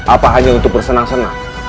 apa hanya untuk bersenang senang